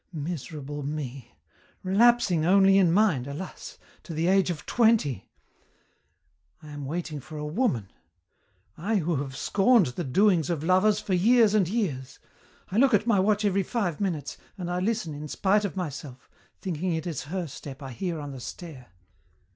"Miserable me! relapsing only in mind, alas! to the age of twenty. I am waiting for a woman. I who have scorned the doings of lovers for years and years. I look at my watch every five minutes, and I listen, in spite of myself, thinking it is her step I hear on the stair.